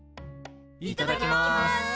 いただきます！